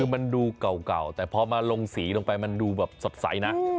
คือมันดูเก่าแต่พอมาลงสีลงไปมันดูแบบสดใสนะ